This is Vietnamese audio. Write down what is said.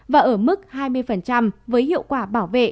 và ở mức hai mươi với hiệu quả bảo vệ